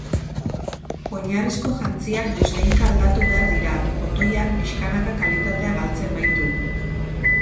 Oinarrizko jantziak noizbehinka aldatu behar dira, kotoiak pixkanaka kalitatea galtzen baitu.